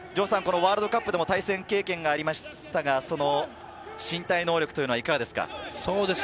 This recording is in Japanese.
ワールドカップでも対戦経験がありましたが、その身体能力というのはいかがですか。